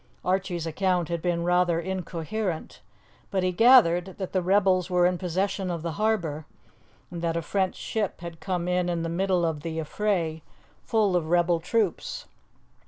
Archie's account had been rather incoherent, but he gathered that the rebels were in possession of the harbour, and that a French ship had come in in the middle of the affray full of rebel troops.